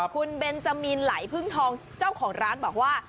คุณเบนจามีนไหลพึ่งทองเจ้าของร้านบอกว่า